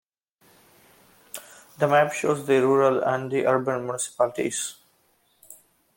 The map shows the rural and the urban municipalities.